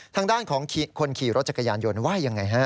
ทางด้านของคนขี่รถจักรยานยนต์ว่ายังไงฮะ